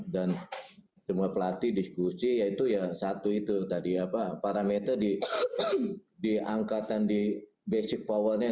dan semua pelatih diskusi yaitu ya satu itu tadi apa parameter di diangkatan di basic powernya